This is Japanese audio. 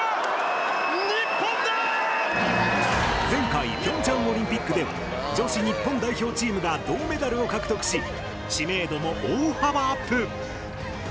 前回平昌オリンピックでは女子日本代表チームが銅メダルを獲得し知名度も大幅アップ！